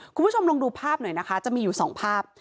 คุณผู้ชมลองดูภาพหน่อยนะคะจะมีอยู่๒ภาพ